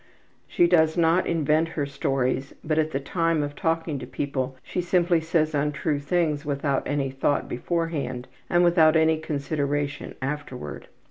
She does not invent her stories, but at the time of talking to people she simply says untrue things without any thought beforehand and without any consideration afterward.